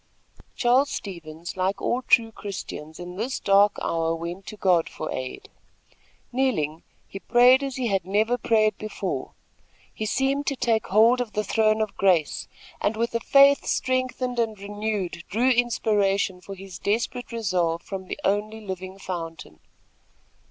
Charles Stevens, like all true Christians, in this dark hour went to God for aid. Kneeling, he prayed as he had never prayed before. He seemed to take hold of the throne of grace and, with a faith strengthened and renewed, drew inspiration for his desperate resolve from the only living fountain.